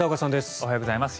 おはようございます。